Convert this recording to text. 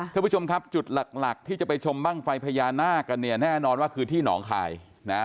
ท่านผู้ชมครับจุดหลักหลักที่จะไปชมบ้างไฟพญานาคกันเนี่ยแน่นอนว่าคือที่หนองคายนะฮะ